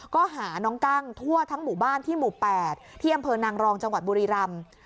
ก็หาน้องกั้งทั่วทั้งหมู่บ้านที่หมู่๘ที่อำเภอนางรองจังหวัดบุรีรำ